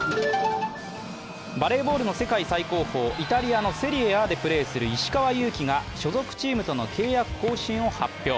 バレーボールの世界最高峰、イタリアのセリエＡでプレーする石川祐希が所属チームとの契約更新を発表。